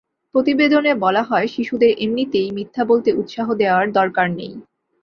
প্রতিবেদনে বলা হয়, শিশুদের এমনিতেই মিথ্যা বলতে উৎসাহ দেওয়ার দরকার নেই।